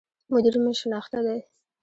مدير مي شناخته دی